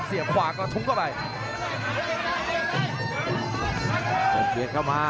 อื้อหือจังหวะขวางแล้วพยายามจะเล่นงานด้วยซอกแต่วงใน